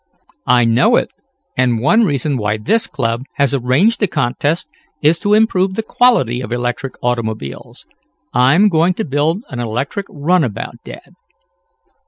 "I know it, and one reason why this club has arranged the contest is to improve the quality of electric automobiles. I'm going to build an electric runabout, dad."